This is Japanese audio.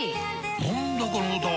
何だこの歌は！